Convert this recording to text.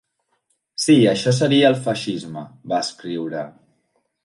"Sí, això seria el feixisme", va escriure.